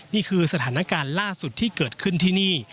นี่คือสถานการณ์ล่าสุดที่เกิดขึ้นที่นี่